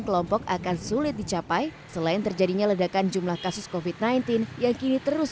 kelompok akan sulit dicapai selain terjadinya ledakan jumlah kasus covid sembilan belas yang kini terus